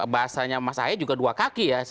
bahasanya mas aya juga dua kaki